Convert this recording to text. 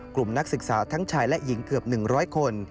นักศึกษาทั้งชายและหญิงเกือบ๑๐๐คน